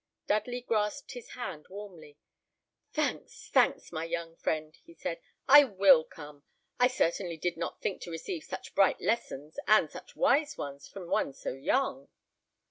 Dudley grasped his hand warmly. "Thanks, thanks, my young friend," he said; "I will come. I certainly did not think to receive such bright lessons, and such wise ones, from one so young."